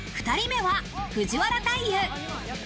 ２人目は藤原大祐。